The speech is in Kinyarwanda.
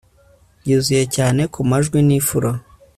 Byuzuye cyane kumajwi nifuro